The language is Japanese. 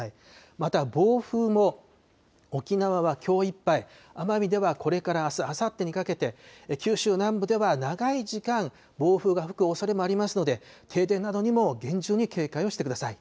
また暴風も沖縄はきょういっぱい、奄美ではこれからあす、あさってにかけて、九州南部では長い時間、暴風が吹くおそれもありますので、停電などにも厳重に警戒をしてください。